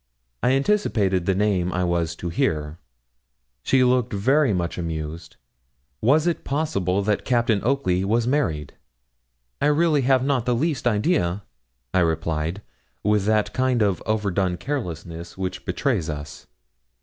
I anticipated the name I was to hear. She looked very much amused. Was it possible that Captain Oakley was married? 'I really have not the least idea,' I replied, with that kind of overdone carelessness which betrays us.